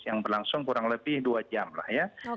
yang berlangsung kurang lebih dua jam lah ya